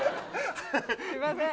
すみません。